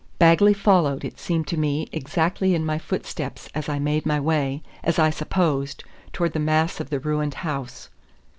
Bagley followed, it seemed to me, exactly in my footsteps as I made my way, as I supposed, towards the mass of the ruined house.